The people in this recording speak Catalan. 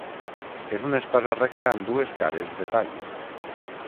És una espasa recta amb dues cares de tall.